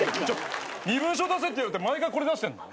身分証出せって言われて毎回これ出してんの？